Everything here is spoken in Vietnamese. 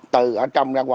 từ ở trong ra qua